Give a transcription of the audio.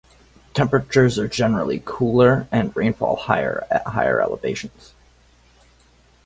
Temperatures are generally cooler and rainfall higher at higher elevations.